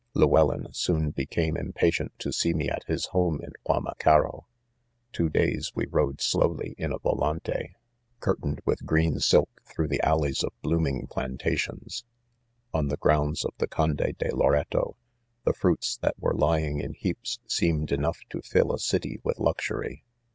^Llewellyn soon became impatient to see me at his home in Guamacaro. Two days we rode slowly in a volmte, curtained with green THE CONFESSIONS. 65 silk, through the alleys of blooming planta tions. ■''On the grounds of the " Conde de } Loreto" the fruits that were lying in heaps, seemed enough to fill a city with luxury.